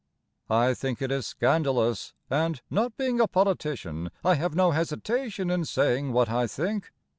I think it is scandalous, and, not being a politician, I have no hesitation in saying what I think.